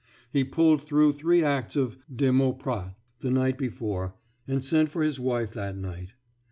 He pulled through three acts of "De Mauprat" the night before, and sent for his wife that night.